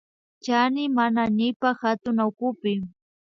Chani manañipak katunawkupi